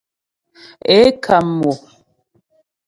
Ě kam mo.